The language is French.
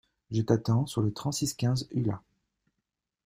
Je t'attends sur le trente six quinze Ulla.